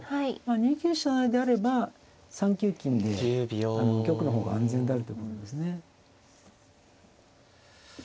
２九飛車成であれば３九金で玉の方が安全であるってことですね。